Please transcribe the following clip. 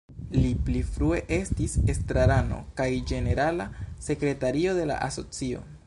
Li pli frue estis estrarano kaj ĝenerala sekretario de la asocio.